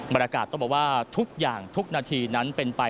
บรรยากาศต้องบอกว่าทุกอย่างทุกนาทีนั้นเป็นไป